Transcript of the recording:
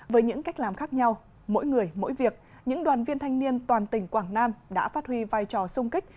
với những cách làm khác nhau mỗi người mỗi việc những đoàn viên thanh niên toàn tỉnh quảng nam đã phát huy vai trò sung kích